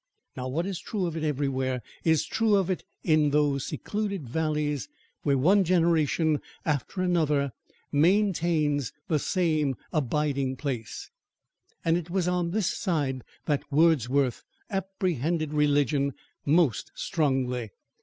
Now what is true of it everywhere, is truest of it in those secluded valleys where one generation after another maintains the same abiding place; and it was on this side, that Wordsworth apprehended religion most strongly.